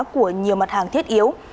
của nhiều mặt hàng thiết yếu